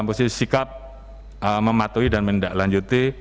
kasus kilometer lima puluh penembakan fpi